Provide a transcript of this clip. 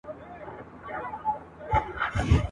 په سپینه ورځ راځم په شپه کي به په غلا راځمه !.